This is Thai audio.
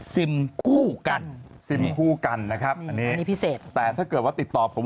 ซิมคู่กันซิมคู่กันนะครับอันนี้อันนี้พิเศษแต่ถ้าเกิดว่าติดต่อผม